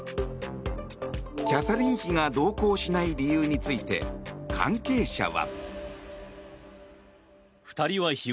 キャサリン妃が同行しない理由について、関係者は。